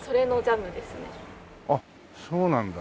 あっそうなんだ。